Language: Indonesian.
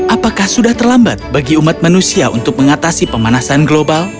apakah sudah terlambat bagi umat manusia untuk mengatasi pemanasan global